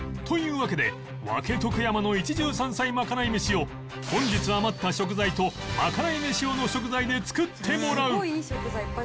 というわけで分とく山の一汁三菜まかない飯を本日余った食材とまかない飯用の食材で作ってもらう